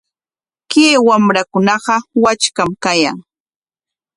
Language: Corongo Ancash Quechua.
Kay wamrakunaqa wakcham kayan.